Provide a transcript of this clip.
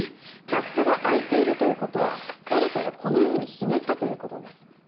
キャップが開いているということは誰かがこのようにひねったということです。